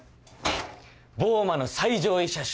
ボーマの最上位車種